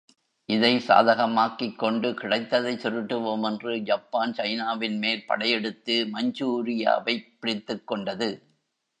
இதை சாதகமாக்கிக்கொண்டு, கிடைத்ததை சுருட்டுவோம் என்று ஜப்பான் சைனாவின் மேல் படையெடுத்து மஞ்சூரியாவைப் பிடித்துக்கொண்டது.